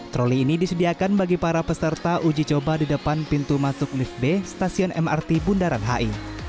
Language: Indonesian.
troli ini disediakan bagi para peserta uji coba di depan pintu masuk lift b stasiun mrt bundaran hi